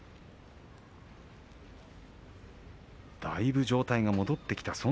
だいぶ状態が戻ってきた